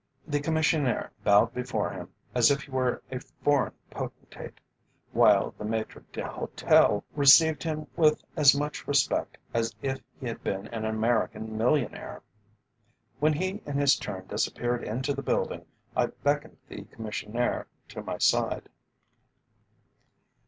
The Commissionaire bowed before him as if he were a foreign potentate, while the maître d'hôtel received him with as much respect as if he had been an American millionaire. When he in his turn disappeared into the building, I beckoned the Commissionaire to my side.